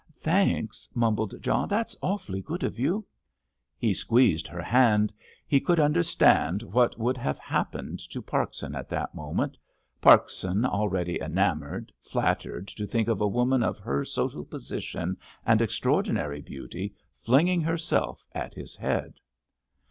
"Thanks," mumbled John; "that's awfully good of you." He squeezed her hand. He could understand what would have happened to Parkson at that moment—Parkson already enamoured, flattered to think of a woman of her social position and extraordinary beauty flinging herself at his head.